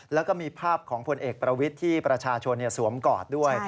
แล้วก็มีภาพของพลเอกประวิทย์ที่ประชาชนสวมกอดด้วย